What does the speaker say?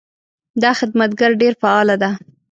دا خدمتګر ډېر فعاله ده.